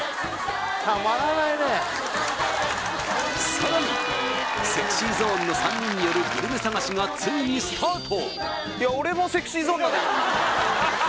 さらにＳｅｘｙＺｏｎｅの３人によるグルメ探しがついにスタート